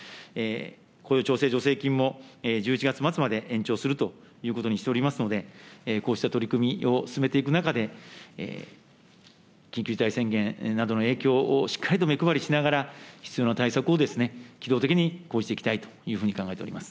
雇用調整助成金も１１月末まで延長するということにしておりますので、こうした取り組みを進めていく中で、緊急事態宣言などの影響をしっかりと目配りしながら、必要な対策を機動的に講じていきたいというふうに考えております。